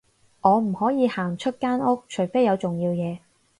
我唔可以行出間屋，除非有重要嘢